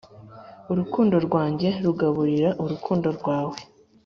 urukundo rwanjye rugaburira urukundo rwawe,